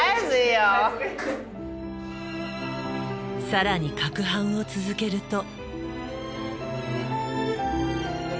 更にかくはんを続けると。